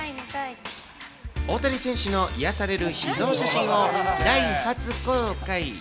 大谷選手の癒やされる秘蔵写真を大初公開。